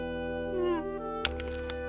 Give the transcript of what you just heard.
うん。